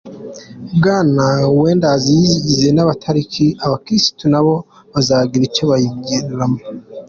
Bwana Wenders yizeye ko n’abatari abakirisitu nabo bazagira icyo bayigiramo.